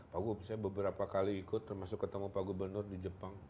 pak gub saya beberapa kali ikut termasuk ketemu pak gubernur di jepang